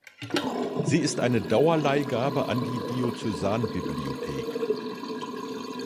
Sie ist eine Dauerleihgabe an die Diözesanbibliothek.